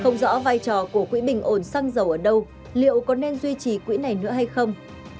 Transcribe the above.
không rõ vai trò của quỹ bình ổn xăng dầu ở đâu liệu có nên duy trì quỹ này nữa hay không